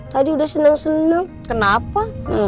tadi udah seneng seneng kenapa